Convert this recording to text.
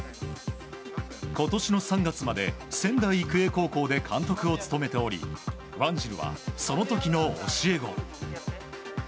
今年の３月まで仙台育英高校で監督を務めておりワンジルは、その時の教え子。